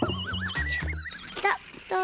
ペタッと。